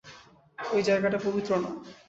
ওই জায়গাটা পবিত্র না।